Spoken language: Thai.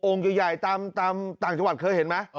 ใหญ่ตามต่างจังหวัดเคยเห็นไหม